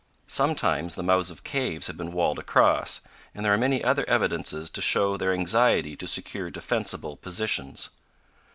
Sometimes the mouths of caves have been walled across, and there are many other evidences to show their anxiety to secure defensible positions.